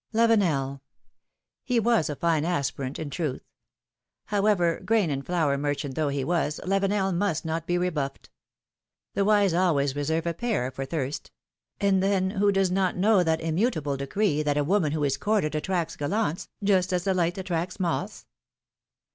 Lavenel ! He was a fine aspirant, in truth ! However, grain and flour merchant though he was, Lavenel must not be rebuffed. The wise always reserve a pear for thirst; and then, who does not know that immutable decree that a woman who is courted attracts gallants, just as the light attracts moths?